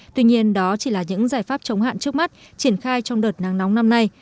tuy nhiên đó chỉ là những giải pháp chống hạn trước mắt triển khai trong đợt nắng nóng năm nay